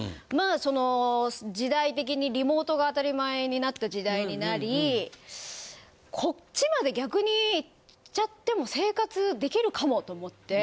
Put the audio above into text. その時代的に。になった時代になりこっちまで逆に行っちゃっても生活できるかもと思って。